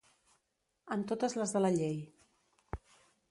Amb totes les de la llei.